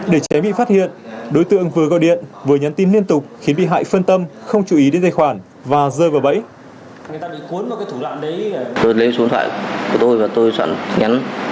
để tránh bị phát hiện đối tượng vừa gọi điện vừa nhắn tin liên tục khiến bị hại phân tâm không chú ý đến dây khoản và rơi vào bẫy